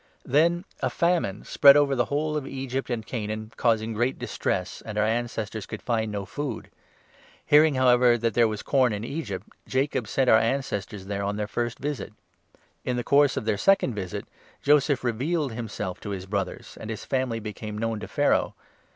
Then a famine spread over the whole n of Egypt and Canaan, causing great distress, and our ancestors could find no food. Hearing, however, that there was corn 12 in Egypt, Jacob sent our ancestors there on their first visit. In 13 the course of their second visit, Joseph revealed himself to his brothers, and his family became known to Pharaoh.